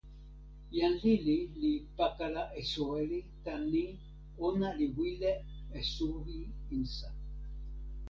jan lili li pakala e soweli tan ni: ona li wile e suwi insa.